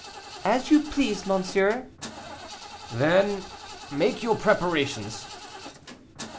"As you please, monsieur." "Then make your preparations."